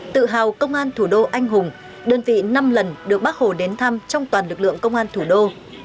tự hào công an thủ đô anh hùng đơn vị năm lần được bác hồ đến thăm trong toàn lực lượng công an thủ đô